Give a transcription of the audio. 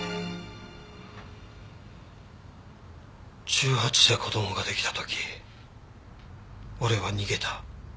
１８で子供が出来た時俺は逃げた。